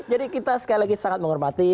jadi kita sekali lagi sangat menghormati